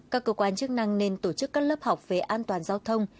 các cơ quan chức năng nên tổ chức các lớp học về an toàn giao thông